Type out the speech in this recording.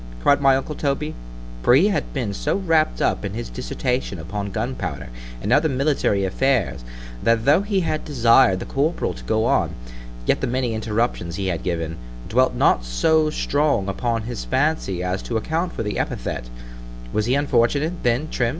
cried my uncle Toby, for he had been so wrapt up in his dissertation upon gun powder, and other military affairs, that tho' he had desired the corporal to go on, yet the many interruptions he had given, dwelt not so strong upon his fancy as to account for the epithet——Was he unfortunate, then, _Trim?